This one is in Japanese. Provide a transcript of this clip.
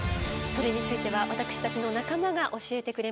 それについては私たちの仲間が教えてくれます。